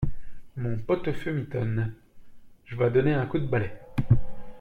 Mon pot-au-feu mitonne… j’vas donner un coup de balai.